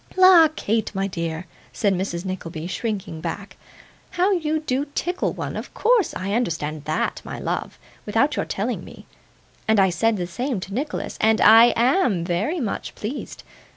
'La, Kate, my dear,' said Mrs. Nickleby, shrinking back, 'how you do tickle one! Of course, I understand THAT, my love, without your telling me; and I said the same to Nicholas, and I AM very much pleased.